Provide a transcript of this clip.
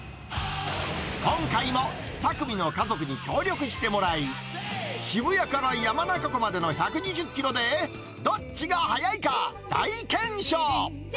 今回も２組の家族に協力してもらい、渋谷から山中湖までの１２０キロで、どっちが早いか大検証。